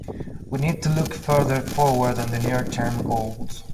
We need to look further forward than the near-term goals